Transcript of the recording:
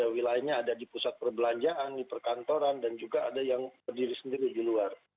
wilayahnya ada di pusat perbelanjaan di perkantoran dan juga ada yang berdiri sendiri di luar